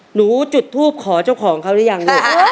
หนูจุดทูปขอเจ้าของเค้าได้ยัง